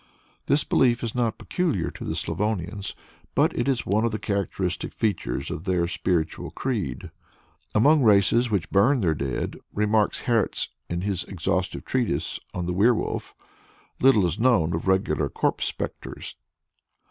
This belief is not peculiar to the Slavonians but it is one of the characteristic features of their spiritual creed. Among races which burn their dead, remarks Hertz in his exhaustive treatise on the Werwolf (p. 126), little is known of regular "corpse spectres."